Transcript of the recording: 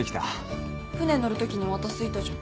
船に乗るときに渡す板じゃん。